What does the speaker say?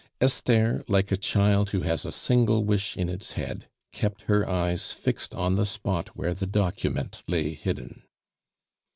Esther, like a child who has a single wish in its head, kept her eyes fixed on the spot where the document lay hidden.